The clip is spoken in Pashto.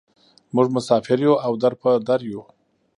موږ مسافر یوو او در په در یوو.